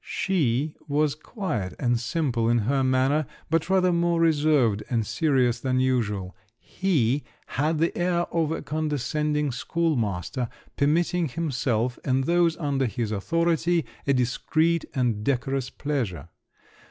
She was quiet and simple in her manner, but rather more reserved and serious than usual; he had the air of a condescending schoolmaster, permitting himself and those under his authority a discreet and decorous pleasure.